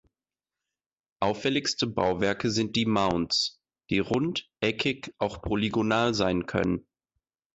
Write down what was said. Auffälligste Bauwerke sind die Mounds, die rund, eckig, auch polygonal sein können.